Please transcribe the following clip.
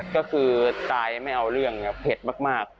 ก็คือตายไม่เอาเรื่องครับเผ็ดมาก